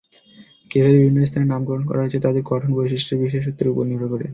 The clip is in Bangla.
কেভের বিভিন্ন স্থানের নামকরণ হয়েছে তাদের গঠন বৈশিষ্ট্যের বিশেষত্বের ওপর নির্ভর করে।